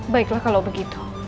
baiklah kalau begitu